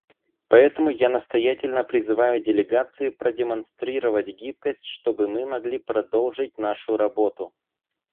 Поэтому я настоятельно призываю делегации продемонстрировать гибкость, чтобы мы могли продолжить нашу работу.